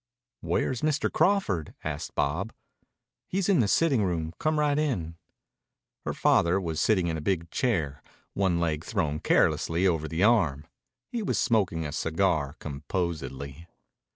"Where's Mr. Crawford?" asked Bob. "He's in the sitting room. Come right in." Her father was sitting in a big chair, one leg thrown carelessly over the arm. He was smoking a cigar composedly.